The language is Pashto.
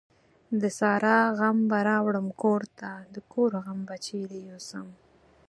د سارا غم به راوړم کورته ، دکور غم به چيري يو سم ؟.